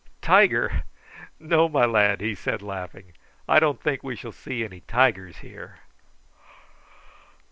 "Tiger! No, my lad," he said, laughing; "I don't think we shall see any tigers here.